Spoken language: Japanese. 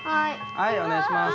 はいお願いします。